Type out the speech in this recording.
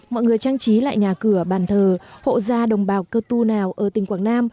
mọi người trang trí lại nhà cửa bàn thờ hộ gia đồng bào cơ tu nào ở tỉnh quảng nam